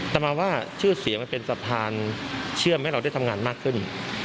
แต่มาว่าชื่อเสียงมันเป็นสะพานเชื่อมให้เราได้ทำงานมากขึ้น